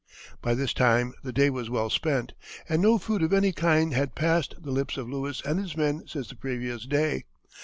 By this time the day was well spent, and no food of any kind had passed the lips of Lewis and his men since the previous day.